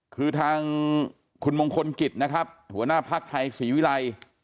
คือทางคุณมงคลกิจนะครับหัวหน้าภักดิ์ไทยศรีวิรัย